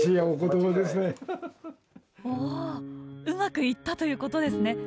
うまくいったということですね。